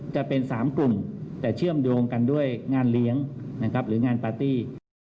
จะเป็น๓กลุ่มแต่เชื่อมโยงกันด้วยงานเลี้ยงนะครับหรืองานปาร์ตี้